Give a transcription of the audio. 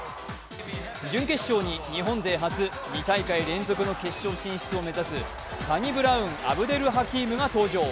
準決勝に日本勢初、２大会連続出場のサニブラウン・アブデル・ハキームが登場。